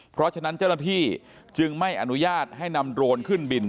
เพราะฉะนั้นเจ้าหน้าที่จึงไม่อนุญาตให้นำโดรนขึ้นบิน